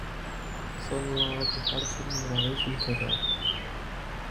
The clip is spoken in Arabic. صلى بحرف من رغيف كذا